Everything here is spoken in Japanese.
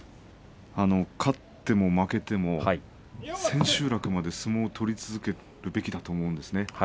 勝っても負けても千秋楽まで相撲を取り続けるべきだと思うんですね。